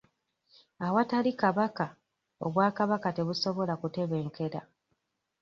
Awatali kabaka, obwakabaka tebusobola kutebenkera.